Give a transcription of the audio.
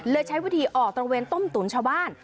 ใช้วิธีออกตระเวนต้มตุ๋นชาวบ้าน